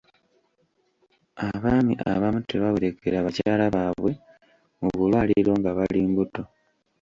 Abaami abamu tebawerekera bakyala baabwe mu bulwaliro nga bali mbuto.